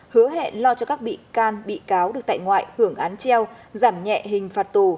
hứa hẹn lo cho các bị can bị cáo được tại ngoại hưởng án treo giảm nhẹ hình phạt tù